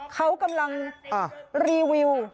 เขากำลังรีวิว